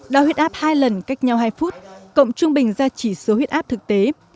đo huyết áp hai lần cách nhau hai phút cộng trung bình ra chỉ số huyết áp thực tế